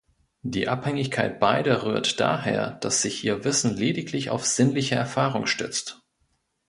Die Abhängigkeit beider rührt daher, dass sich ihr Wissen lediglich auf sinnliche Erfahrung stützt.